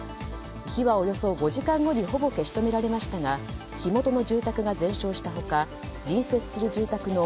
火はおよそ５時間後にほぼ消し止められましたが火元の住宅が全焼した他隣接する住宅の